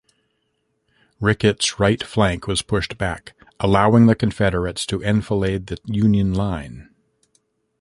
Ricketts's right flank was pushed back, allowing the Confederates to enfilade the Union line.